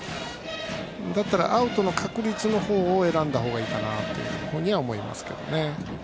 だったら、アウトの確率の方を選んだ方がとは思いますけどね。